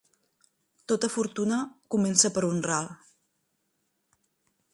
Tota fortuna comença per un ral.